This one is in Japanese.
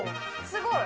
すごい。